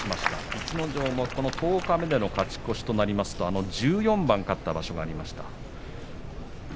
逸ノ城も十日目での勝ち越しとなりますと１４番勝った場所がありました。